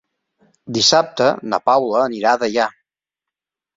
Dissabte na Paula anirà a Deià.